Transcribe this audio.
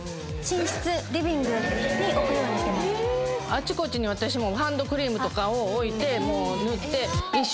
あっちこっちに私もハンドクリームとかを置いて塗って。